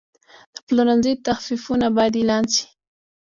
د پلورنځي تخفیفونه باید اعلان شي.